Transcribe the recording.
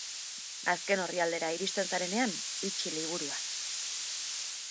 Azken orrialdera iristen zarenean, itxi liburua.